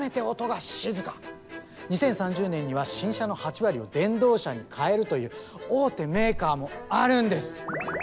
２０３０年には新車の８割を電動車に変えるという大手メーカーもあるんです。